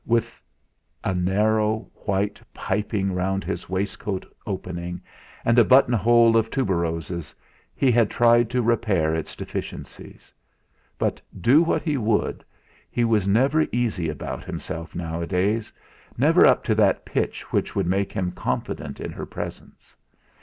With a narrow white piping round his waistcoat opening, and a buttonhole of tuberoses, he had tried to repair its deficiencies. But do what he would, he was never easy about himself nowadays, never up to that pitch which could make him confident in her presence.